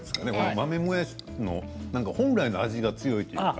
豆もやしの本来の味が強いというか。